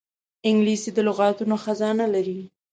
انګلیسي د لغاتو خزانه لري